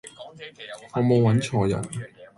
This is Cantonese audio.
我無搵錯人